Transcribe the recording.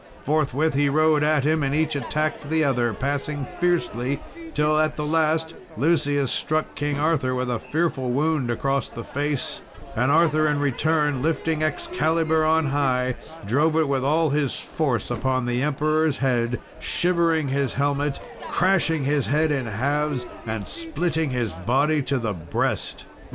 Forthwith he rode at him, and each attacked the other passing fiercely; till at the last, Lucius struck King Arthur with a fearful wound across the face, and Arthur, in return, lifting up Excalibur on high, drove it with all his force upon the Emperor's head, shivering his helmet, crashing his head in halves, and splitting his body to the breast.